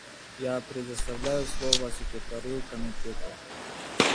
Я предоставляю слово Секретарю Комитета.